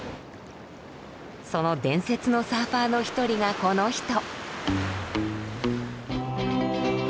その伝説のサーファーの一人がこの人。